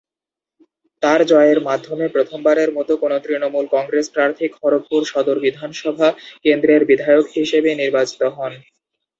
তার জয়ের মাধ্যমে প্রথমবারের মত কোনো তৃণমূল কংগ্রেস প্রার্থী খড়গপুর সদর বিধানসভা কেন্দ্রের বিধায়ক হিসেবে নির্বাচিত হন।